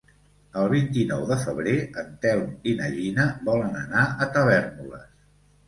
El vint-i-nou de febrer en Telm i na Gina volen anar a Tavèrnoles.